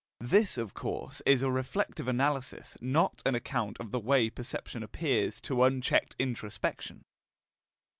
(This, of course, is a reflective analysis, not an account of the way perception appears to unchecked introspection.)